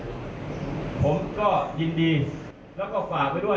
เป็นจังหวะที่ตำรวจมาพอดีด้วยแล้วก็ดูจากภาพแล้วคิดว่าน่าจะเป็น